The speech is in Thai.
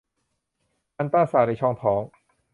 อัลตราซาวด์ในช่องท้อง